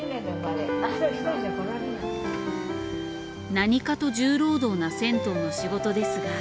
何かと重労働な銭湯の仕事ですが。